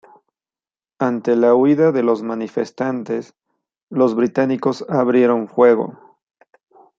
Ante la huida de los manifestantes, los británicos abrieron fuego.